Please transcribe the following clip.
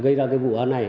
gây ra cái vụ này